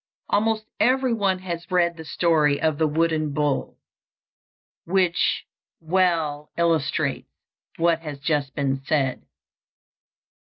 Almost every one has read the story of "The Wooden Bowl," which well illustrates what has just been said.